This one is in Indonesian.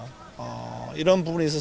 soalnya badai di belakang pemain rossi tadi